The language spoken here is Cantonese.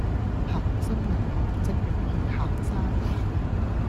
恆生銀行職員去行山